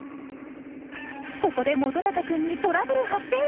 ここで本君にトラブル発生！